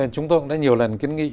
chúng tôi cũng đã nhiều lần kiến nghị